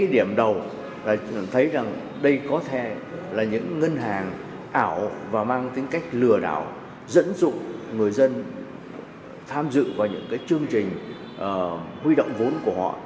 điểm đầu là chúng ta thấy rằng đây có thể là những ngân hàng ảo và mang tính cách lừa đảo dẫn dụng người dân tham dự vào những cái chương trình huy động vốn của họ